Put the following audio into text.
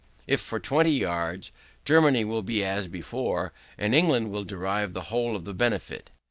If for 20 yards, Germany will be as before, and England will derive the whole of the benefit.